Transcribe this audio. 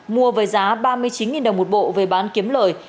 mua với giá ba mươi chín đồng một bộ về bán kiếm lời